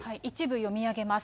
一部読み上げます。